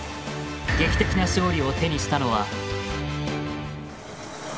劇的な勝利を手にしたのは。